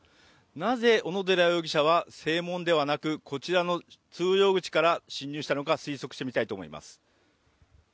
なぜ小野寺容疑者は正門ではなく、こちらの通用口から侵入したのか追及してみたいと思います。